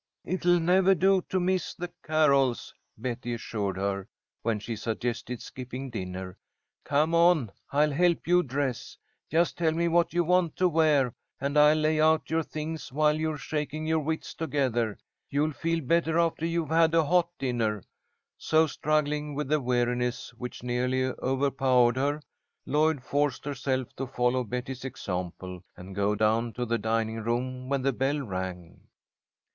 "It'll never do to miss the carols," Betty assured her, when she suggested skipping dinner. "Come on, I'll help you dress. Just tell me what you want to wear, and I'll lay out your things while you're shaking your wits together. You'll feel better after you've had a hot dinner." So struggling with the weariness which nearly overpowered her, Lloyd forced herself to follow Betty's example, and go down to the dining room when the bell rang.